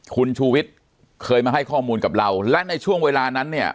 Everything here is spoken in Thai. คุณชูวิทย์เคยมาให้ข้อมูลกับเราและในช่วงเวลานั้นเนี่ย